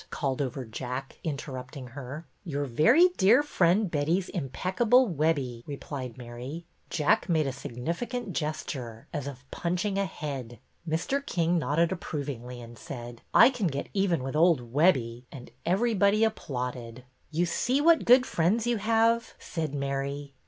called over Jack, interrupting her. 254 BETTY BAIRD'S VENTURES '' Your very dear friend, Betty's ' impeccable Webbie,' " replied Mary. Jack made a significant gesture, as of punching a head. Mr. King nodded approvingly and said :'' I can get even with old Webbie," and every body applauded. You see what good friends you have," said Mary.